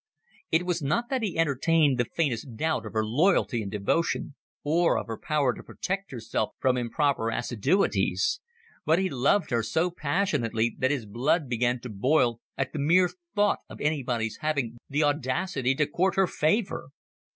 It was not that he entertained the faintest doubt of her loyalty and devotion, or of her power to protect herself from improper assiduities; but he loved her so passionately that his blood began to boil at the mere thought of anybody's having the audacity to court her favor.